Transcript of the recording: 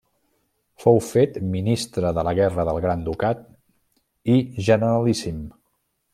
Fou fet ministre de la Guerra del Gran ducat i Generalíssim.